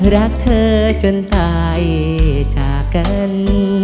รักเธอจนตายจากกัน